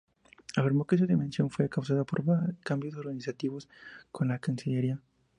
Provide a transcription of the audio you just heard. Afirmó que su dimisión fue causada por cambios organizativos en la Cancillería.